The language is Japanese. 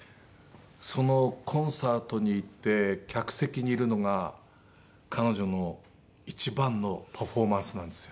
そのコンサートに行って客席にいるのが彼女の一番のパフォーマンスなんですよ。